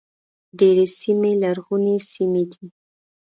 ډېرې سیمې لرغونې سیمې دي.